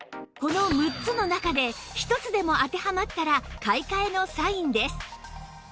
この６つの中で１つでも当てはまったら買い替えのサインです